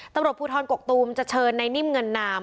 ตำรวจภูทรกกตูมจะเชิญในนิ่มเงินนาม